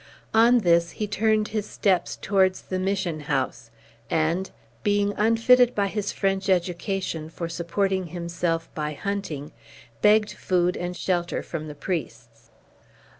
On this, he turned his steps towards the mission house, and, being unfitted by his French education for supporting himself by hunting, begged food and shelter from the priests.